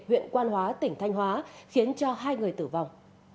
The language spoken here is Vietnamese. huyện quan hóa tỉnh thanh hóa khiến cho hai người tử vong